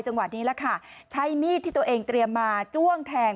จังหวัดนี้แหละค่ะใช้มีดที่ตัวเองเตรียมมาจ้วงแทง